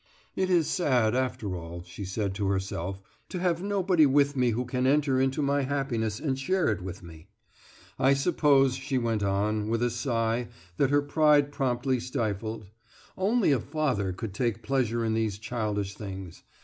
"It is sad, after all," she said to herself, "to have nobody with me who can enter into my happiness and share it with me. I suppose," she went on, with a sigh that her pride promptly stifled, "only a father could take pleasure in these childish things.